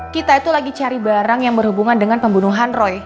kita itu lagi cari barang yang berhubungan dengan pembunuhan roy